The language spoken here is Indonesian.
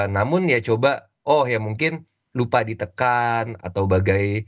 namun ya coba oh ya mungkin lupa ditekan atau bagai